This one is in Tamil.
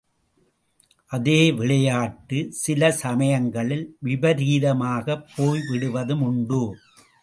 அதே விளையாட்டு சில சமயங்களில் விபரீதமாகப் போய் விடுவதும் உண்டு.